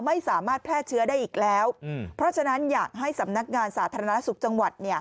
ไม่สามารถแพร่เชื้อได้อีกแล้วเพราะฉะนั้นอยากให้สำนักงานสาธารณสุขจังหวัด